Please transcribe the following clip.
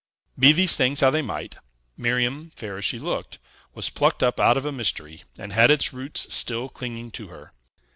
Be these things how they might, Miriam, fair as she looked, was plucked up out of a mystery, and had its roots still clinging to her.